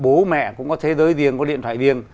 bố mẹ cũng có thế giới riêng có điện thoại riêng